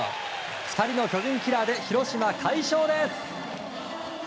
２人の巨人キラーで広島、快勝です。